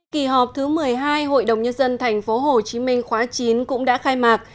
kỳ họp thứ một mươi hai hội đồng nhân dân tp hcm khóa chín cũng đã khai mạc